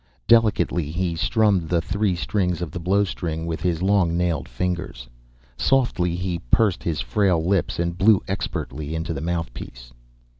Delicately, he strummed the three strings of the blowstring with his long nailed fingers, softly he pursed his frail lips and blew expertly into the mouthpiece.